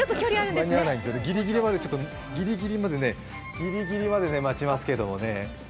ギリギリまで待ちますけどもね。